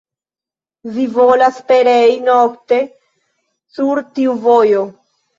Vi povas perei nokte sur tiu vojo!